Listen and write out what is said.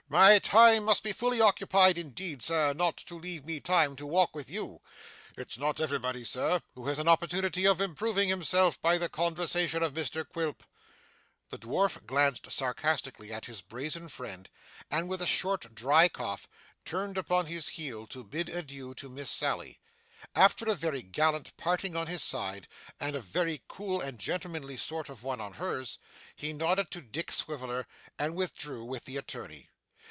My time must be fully occupied indeed, sir, not to leave me time to walk with you. It's not everybody, sir, who has an opportunity of improving himself by the conversation of Mr Quilp.' The dwarf glanced sarcastically at his brazen friend, and, with a short dry cough, turned upon his heel to bid adieu to Miss Sally. After a very gallant parting on his side, and a very cool and gentlemanly sort of one on hers, he nodded to Dick Swiveller, and withdrew with the attorney.